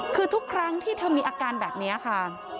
คือทุกครั้งที่เธอมีอาการแบบนี้ค่ะ